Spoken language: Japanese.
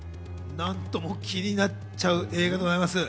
何とも気になっちゃう映画でございます。